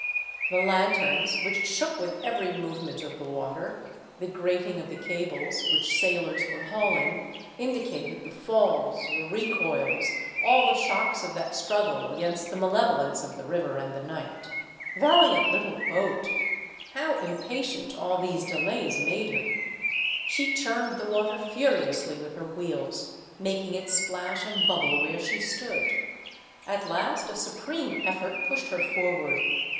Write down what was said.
The lanterns, which shook with every movement of the water, the grating of the cables, which sailors were hauling, indicated the falls, the recoils, all the shocks of that struggle against the malevolence of the river and the night. Valiant little boat ! how The Concert of Company Eight. 171 impatient all these delays made her. She churned the water furiously with her wheels, making it splash and bubble where she stood. At last a supreme effort pushed her forward.